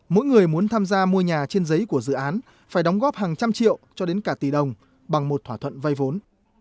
mỗi người muốn tham gia mua nhà trên giấy của dự án phải đóng góp hàng trăm triệu cho đến cả tỷ đồng bằng một thỏa thuận vay vốn